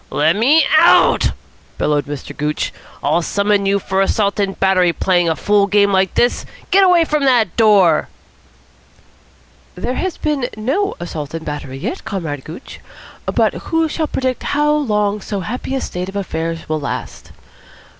"Let me out," bellowed Mr. Gooch. "I'll summon you for assault and battery. Playing a fool game like this! Get away from that door." "There has been no assault and battery yet, Comrade Gooch, but who shall predict how long so happy a state of things will last?